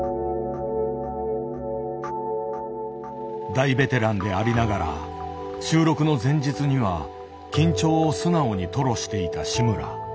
大ベテランでありながら収録の前日には緊張を素直に吐露していた志村。